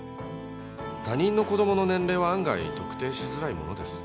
他人の子供の年齢は案外特定しづらいものです。